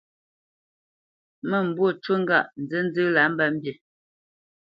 Mə́mbû ncu ŋgâʼ nzənzə́ lǎ mbə mbî.